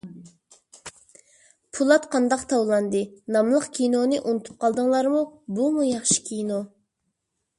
«پولات قانداق تاۋلاندى» ناملىق كىنونى ئۇنتۇپ قالدىڭلارمۇ؟ بۇمۇ ياخشى كىنو.